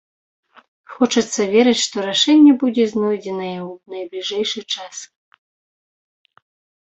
Хочацца верыць, што рашэнне будзе знойдзенае ў найбліжэйшы час.